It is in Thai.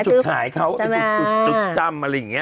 จุดขายเขาเป็นจุดจำอะไรอย่างนี้